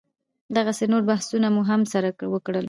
دغسې نور بحثونه مو هم سره وکړل.